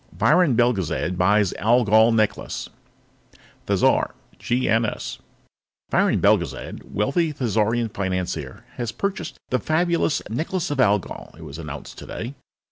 VIRON BELGEZAD BUYS ALGOL NECKLACE Thizar (GNS) Viron Belgezad, wealthy Thizarian financier, has purchased the fabulous Necklace of Algol, it was announced today.